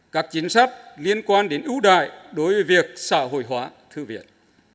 các chính sách liên quan đến ưu đại đối với việc xã hội hóa thư viện